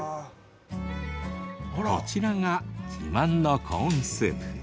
こちらが自慢のコーンスープ。